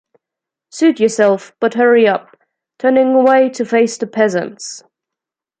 Suit yourself, but hurry up. - Turning away to face the peasants.